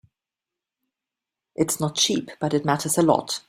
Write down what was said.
It's not cheap, but it matters a lot.